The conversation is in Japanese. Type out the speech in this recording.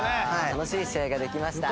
楽しい試合ができました。